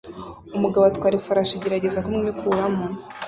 Umugabo atwara ifarashi igerageza kumwikuramo